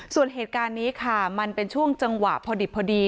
ส่วนเหตุการณ์นี้ค่ะมันเป็นช่วงจังหวะพอดิบพอดี